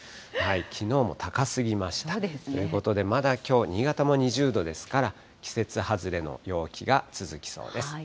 きのうも高すぎましたということで、まだきょう新潟も２０度ですから、季節外れの陽気が続きそうです。